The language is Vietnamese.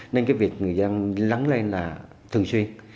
nên cái việc người dân lắng lên là thường xuyên